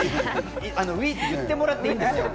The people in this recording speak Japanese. ＷＥ！って言ってもらっていいんですよ？